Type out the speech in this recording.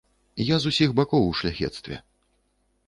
Я з усіх бакоў у шляхецтве.